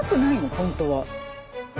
本当は。